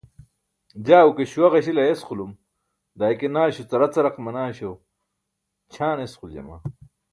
je guke śuwa ġaśil ayesqulum daa ike naśo caracaraq manaaśo ćʰaaṅ esquljama